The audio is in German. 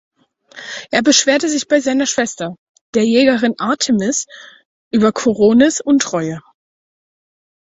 Er beschwerte sich bei seiner Schwester, der Jägerin Artemis, über Koronis’ Untreue.